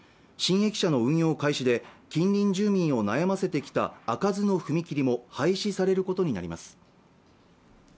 新駅舎の運用開始で近隣住民を悩ませてきた開かずの踏切も廃止されることになります